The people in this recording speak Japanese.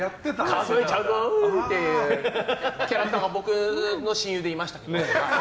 数えちゃうぞ！っていうキャラクターが僕の親友でいました。